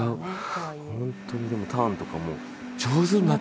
ホントにでもターンとかも上手になってる俺！